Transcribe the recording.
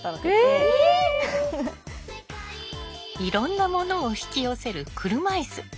いろんなものを引き寄せる車いす。